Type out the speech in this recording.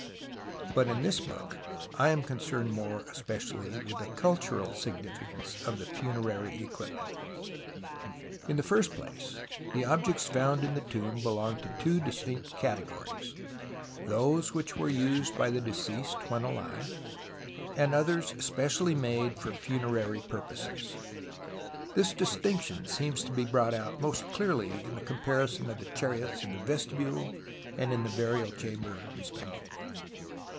Bat in tliis book I am concerned more especially with the cultural significance of the funerary equipment. In the first place the objects found in the tomb belong to two distinct categories, those which were used by the deceased when alive, and others specially made for funerary pur poses. This distinction seems to be brought out most clearly in the comparison of the chariots in the vestibule and in the burial chamber respectively.